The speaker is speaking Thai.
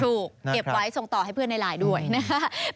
ถูกเก็บไว้ส่งต่อให้เพื่อนหลายด้วยนะครับ